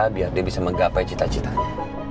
biar dia bisa menggapai cita citanya